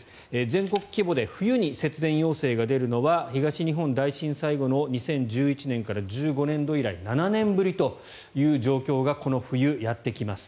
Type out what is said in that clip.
全国規模で冬に節電要請が出るのは東日本大震災後の２０１１年から１５年度以来７年ぶりという状況がこの冬、やってきます。